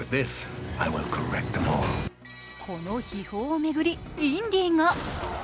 この秘宝を巡り、インディが。